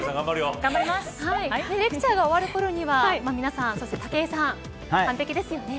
レクチャーが終わるころには皆さん、そして武井さん完璧きですよね。